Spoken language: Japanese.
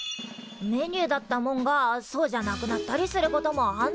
メニューだったもんがそうじゃなくなったりすることもあんだな。